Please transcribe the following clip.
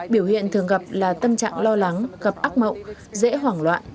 biểu hiện thường gặp là tâm trạng lo lắng gặp ác mộng dễ hoảng loạn